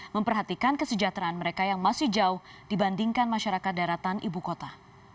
memperhatikan kesejahteraan mereka yang masih jauh dibandingkan masyarakat daratan ibu kota